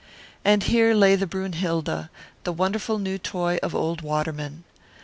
And here lay the Brünnhilde, the wonderful new toy of old Waterman.